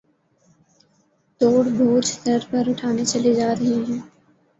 توڑ بوجھ سر پر اٹھائے چلے جا رہے ہیں